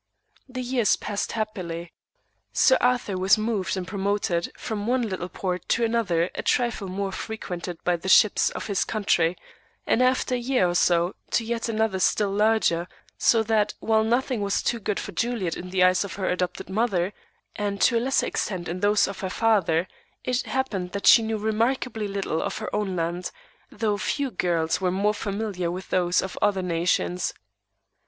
The years passed happily. Sir Arthur was moved and promoted from one little port to another a trifle more frequented by the ships of his country, and after a year or so to yet another still larger; so that, while nothing was too good for Juliet in the eyes of her adopted mother, and to a lesser extent in those of her father, it happened that she knew remarkably little of her own land, though few girls were more familiar with those of other nations.